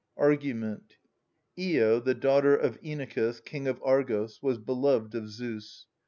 ARGUMENT. lo, the daughter of Inachus, King of Argos,. was beloved of Zeus.